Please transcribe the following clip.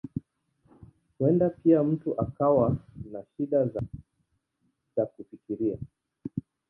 Huenda pia mtu akawa na shida za kufikiria.